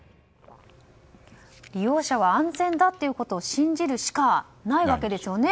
利用者は安全だということを信じるしかないわけですよね。